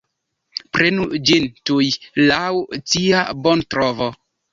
Prenu ĝin tuj, laŭ cia bontrovo.